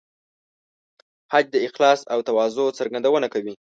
حج د اخلاص او تواضع څرګندونه کوي.